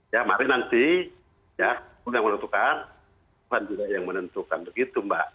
ya mari nanti ya undang undang menentukan tuhan juga yang menentukan begitu mbak